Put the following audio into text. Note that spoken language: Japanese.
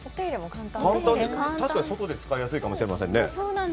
確かに外で使いやすいかもしれませんね。